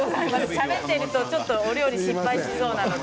しゃべってるとお料理、失敗しそうなので。